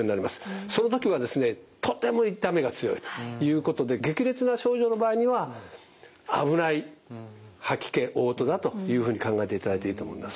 その時はですねとても痛みが強いということで激烈な症状の場合には危ない吐き気・おう吐だというふうに考えていただいていいと思いますよ。